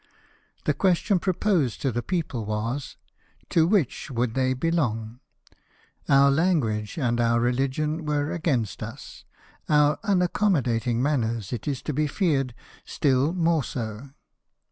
The question proposed to the people was. To which would they be long ? Our language and our religion were against us ; our unaccommodating manners, it is to be feared, still more so.